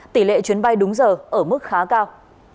tỷ lệ chuyến bay đúng giờ ở mức khá cao